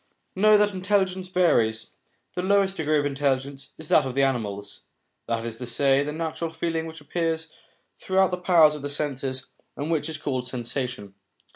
Know that intelligence varies ; the lowest degree of intelligence is that of the animals, that is to say, the natural feeling which appears through the powers of the senses, and which is called sensation.